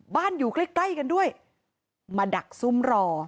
บ้านอยู่ใกล้กันด้วยมาดักซุ่มรอ